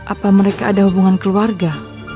apa mereka ada hubungan keluarga